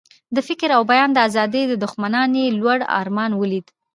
د فکر او بیان د آزادۍ دښمنانو یې لوړ ارمان ولید.